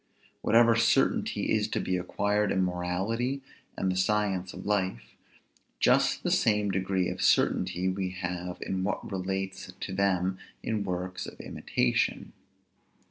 Whatever certainty is to be acquired in morality and the science of life; just the same degree of certainty have we in what relates to them in works of imitation.